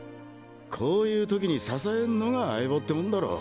こういう時に支えんのが相棒ってもんだろ。